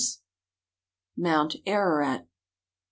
MOUNT AEAEAT.